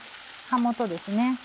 葉元ですね。